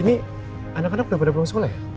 ini anak anak udah pada pulang sekolah ya